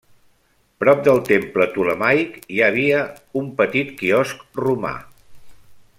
Prop del temple ptolemaic hi havia un petit quiosc romà.